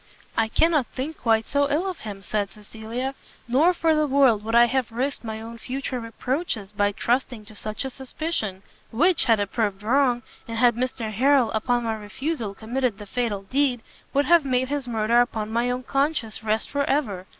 "I cannot think quite so ill of him," said Cecilia, "nor for the world would I have risked my own future reproaches by trusting to such a suspicion, which, had it proved wrong, and had Mr Harrel, upon my refusal committed the fatal deed, would have made his murder upon my own conscience rest for ever!